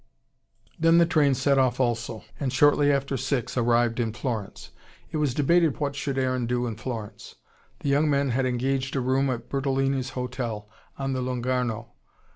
Then the train set off also and shortly after six arrived in Florence. It was debated what should Aaron do in Florence. The young men had engaged a room at Bertolini's hotel, on the Lungarno.